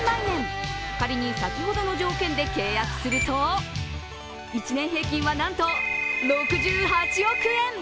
仮に先ほどの条件で契約すると１年平均はなんと６８億円！